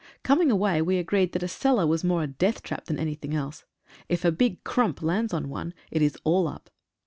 Coming away we agreed that a cellar was more a death trap than anything else. If a big "krump" lands on one, it is all up.